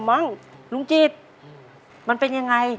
ลุงจีดมันเป็นยังไง